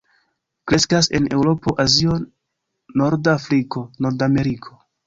Kreskas en Eŭropo, Azio, norda Afriko, Nordameriko.